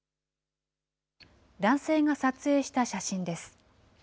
男性が撮影した写真です。